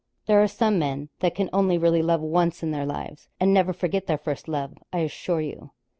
There are some men that can only really love once in their lives, and never forget their first love, I assure you.'